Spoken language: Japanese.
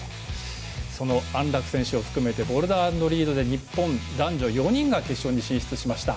その安楽選手を含めてボルダー＆リード日本男女４人が決勝に進出しました。